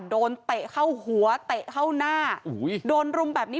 เตะเข้าหัวเตะเข้าหน้าโดนรุมแบบนี้